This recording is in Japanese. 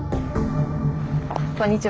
こんにちは